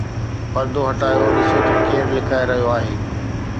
پردو هٽايو، ڏسون ته ڪير لڪائي رهيو آهي؟